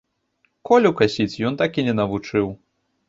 Колю касіць ён так і не навучыў.